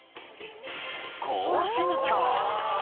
高身長！